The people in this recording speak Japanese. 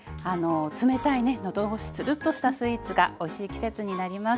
冷たいね喉越しツルッとしたスイーツがおいしい季節になりました。